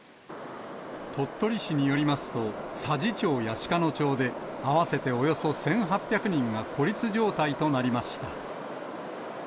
鳥取市によりますと、佐治町や鹿野町で、合わせておよそ１８００人が孤立状態となりました。